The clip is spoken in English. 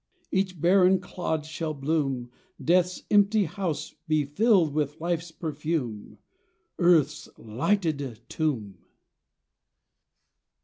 Each barren clod shall bloom, Death's empty house be filled with life's perfume, Earth's lighted tomb